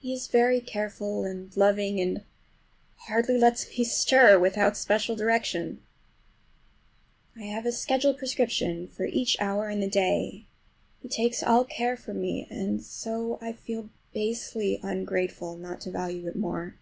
He is very careful and loving, and hardly lets me stir without special direction. I have a schedule prescription for each hour in the day; he takes all care from me, and so I feel basely ungrateful not to value it more.